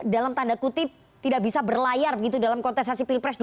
dalam tanda kutip tidak bisa berlayar gitu dalam konteksasi pilpres dua ribu dua puluh empat